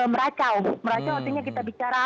meracau meracau artinya kita bicara